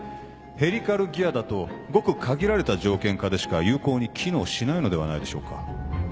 ヘリカルギアだとごく限られた条件下でしか有効に機能しないのではないでしょうか？